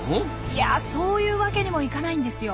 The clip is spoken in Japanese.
いやそういうわけにもいかないんですよ。